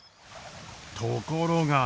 ところが。